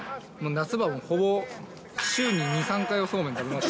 夏場はほぼ、週に２、３回はそうめん食べます。